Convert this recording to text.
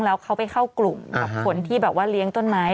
แล้วเขาไปเข้ากลุ่มคนที่เลี้ยงต้นไม้